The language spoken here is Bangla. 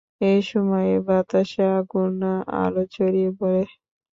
এ সময়ে বাতাসে আগুন আরও ছড়িয়ে পড়ে।